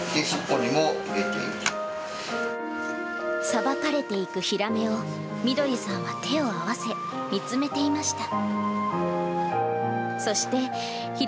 さばかれていくヒラメを、翠さんは手を合わせ、見つめていました。